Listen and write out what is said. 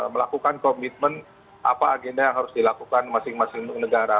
melakukan komitmen apa agenda yang harus dilakukan masing masing negara